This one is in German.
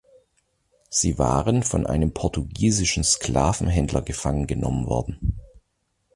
Sie waren von einem portugiesischen Sklavenhändler gefangen genommen worden.